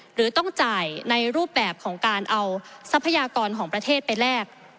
หรือต้องจ่ายในรูปแบบของการเอาทรัพยากรของประเทศไปแลก